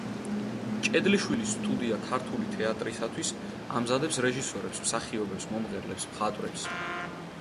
მჭედლიშვილის სტუდია ქართული თეატრისათვის ამზადებდა რეჟისორებს, მსახიობებს, მომღერლებს, მხატვრებს.